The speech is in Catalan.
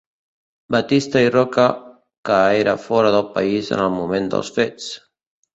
Batista i Roca que era fora del país en el moment dels fets.